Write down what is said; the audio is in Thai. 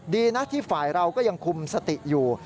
ดีนะที่ฝ่ายเราก็ยังคุมสติอยู่